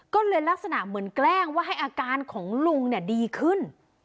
ก็เลยลักษณะเหมือนแกล้งว่าให้อาการของลุงดีขึ้น